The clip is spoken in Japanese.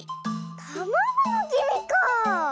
たまごのきみかあ。